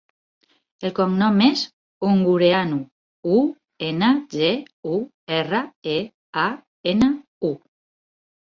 El cognom és Ungureanu: u, ena, ge, u, erra, e, a, ena, u.